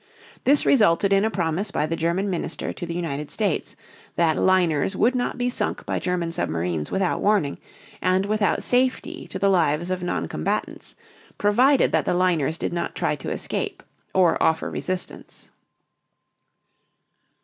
This resulted in a promise by the German minister to the United States, that liners would not be sunk by German submarines without warning and without safety to the lives of noncombatants, provided that the liners did not try to escape or offer resistance.